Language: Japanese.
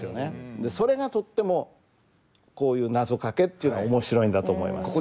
でそれがとってもこういうなぞかけっていうのは面白いんだと思います。